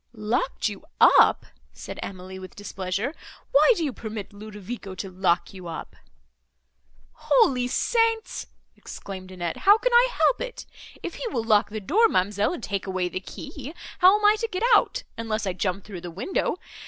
"Locked you up!" said Emily, with displeasure, "Why do you permit Ludovico to lock you up?" "Holy Saints!" exclaimed Annette, "how can I help it! If he will lock the door, ma'amselle, and take away the key, how am I to get out, unless I jump through the window?